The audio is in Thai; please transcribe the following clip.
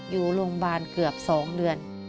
อยู่โรงพยาบาลเกือบ๒เดือน